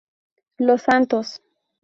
Los Santos.